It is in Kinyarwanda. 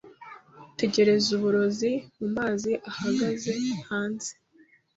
Tegereza uburozi mumazi ahagaze hanze